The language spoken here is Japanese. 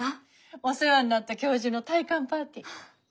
お世話になった教授の退官パーティー。